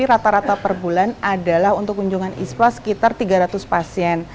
rata rata per bulan adalah untuk kunjungan ispa sekitar tiga ratus pasien